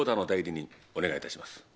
お願いいたします。